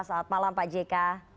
saat malam pak jk